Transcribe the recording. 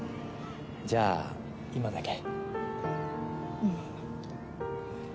じゃあ今だけ。